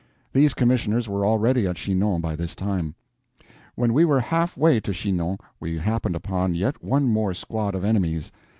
These commissioners were already at Chinon by this time. When we were half way to Chinon we happened upon yet one more squad of enemies.